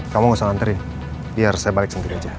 kamu gak usah nganterin biar saya balik sendiri aja